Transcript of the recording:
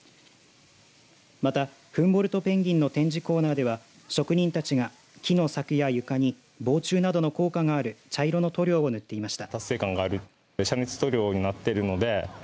また、フンボルトペンギンの展示コーナーでは職人たちが木の柵や床に防虫などの効果がある茶色の塗料を塗っていました。